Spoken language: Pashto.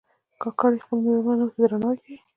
کاکړي خپلو مېلمنو ته درناوی کوي.